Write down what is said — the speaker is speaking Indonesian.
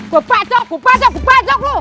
gua pacok gua pacok gua pacok lu